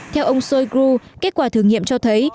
theo ông shoigu kết quả thử nghiệm cho thấy